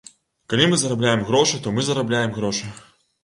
Калі мы зарабляем грошы, то мы зарабляем грошы.